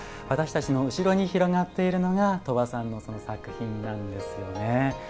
私たちの後ろに広がっているのが鳥羽さんの作品なんですよね。